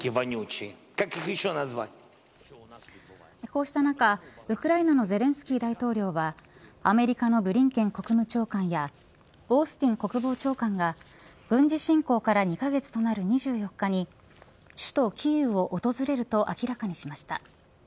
こうした中、ウクライナのゼレンスキー大統領はアメリカのブリンケン国務長官やオースティン国防長官が軍事侵攻から２カ月となる２４日に首都キーウを訪れると明らかにしました。